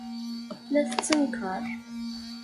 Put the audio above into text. La tettenkar.